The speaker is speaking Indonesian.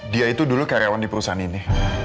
dia itu dulu karyawan di perusahaan ini